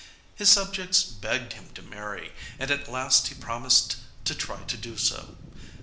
His subjects begged him to marry, and at last he promised to try to do so.